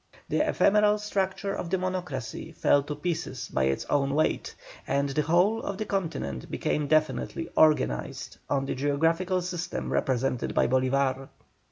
The ephemeral structure of the monocracy fell to pieces by its own weight, and the whole of the Continent became definitely organized on the geographical system represented by San Martin.